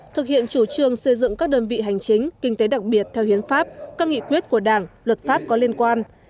thực hiện chủ trương xây dựng các đơn vị hành chính kinh tế đặc biệt theo hiến pháp các nghị quyết của đảng luật pháp có liên quan